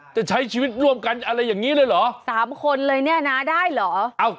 จะใช้ชีวิตร่วมกันอะไรอย่างนี้เลยเหรอสามคนเลยเนี่ยนะได้เหรอ